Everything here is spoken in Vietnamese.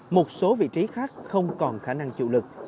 một số vị trí khác không còn khả năng chịu lực